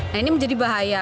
nah ini menjadi bahaya